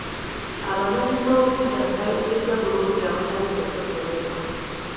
Abanoonyiboobubudamu bayisiddwa bulungi awatali kusosolebwa.